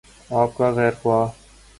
آپ کا خیرخواہ۔